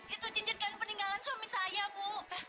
itu cincin kami peninggalan suami saya bu